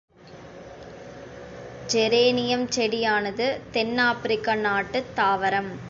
Geranium செடியானது தென் ஆப்பிரிக்க நாட்டுத் தாவரம்.